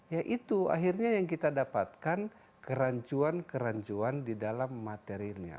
ya itu akhirnya yang kita dapatkan kerancuan kerancuan di dalam materinya